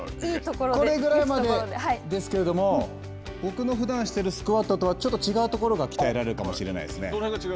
これぐらいですけれども僕のふだんしているスクワットとは、ちょっと違うところが鍛えられるかもしれませんね。